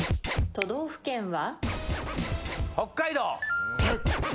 都道府県は？